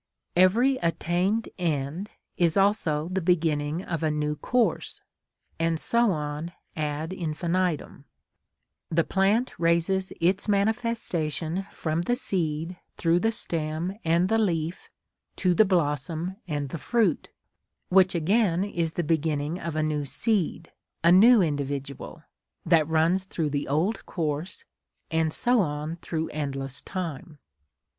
Every attained end is also the beginning of a new course, and so on ad infinitum. The plant raises its manifestation from the seed through the stem and the leaf to the blossom and the fruit, which again is the beginning of a new seed, a new individual, that runs through the old course, and so on through endless time.